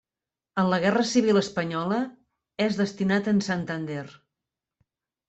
En la Guerra Civil Espanyola és destinat en Santander.